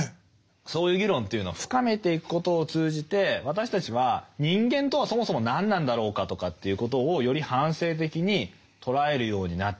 そういう議論というのを深めていくことを通じて私たちは人間とはそもそも何なんだろうかとかっていうことをより反省的に捉えるようになっていく。